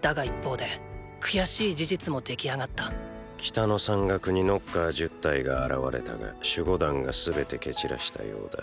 だが一方で悔しい事実も出来上がった北の山岳にノッカー１０体が現れたが守護団が全て蹴散らしたようだ。